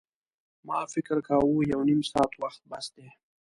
ما فکر کاوه یو نیم ساعت وخت بس دی.